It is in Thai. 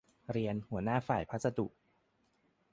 เรียน หัวหน้าฝ่ายพัสดุ